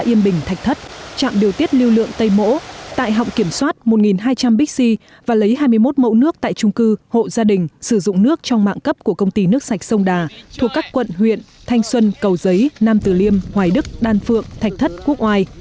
xã yên bình thạch thất trạm điều tiết lưu lượng tây mỗ tại họng kiểm soát một hai trăm linh bixi và lấy hai mươi một mẫu nước tại trung cư hộ gia đình sử dụng nước trong mạng cấp của công ty nước sạch sông đà thuộc các quận huyện thanh xuân cầu giấy nam tử liêm hoài đức đan phượng thạch thất quốc ngoài